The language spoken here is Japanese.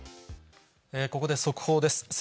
ここで速報です。